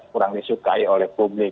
kurang disukai oleh publik